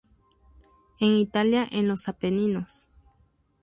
En Italia en los Apeninos.